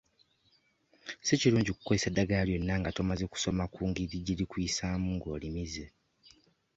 Si kirungi kukozesa ddagala lyonna nga tomaze kusoma ku ngeri gye likuyisaamu ng'olimize.